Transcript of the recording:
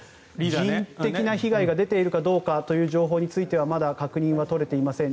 人的な被害が出ているかどうかという情報はまだ確認取れていません。